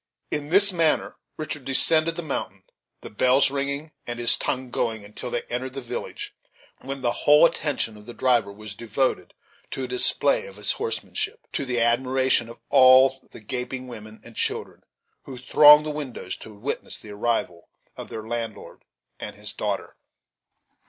In this manner Richard descended the mountain; the bells ringing, and his tongue going, until they entered the village, when the whole attention of the driver was devoted to a display of his horsemanship, to the admiration of all the gaping women and children who thronged the windows to witness the arrival of their landlord and his daughter.